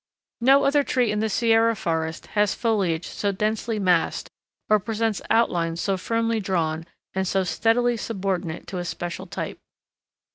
No other tree in the Sierra forest has foliage so densely massed or presents outlines so firmly drawn and so steadily subordinate to a special type.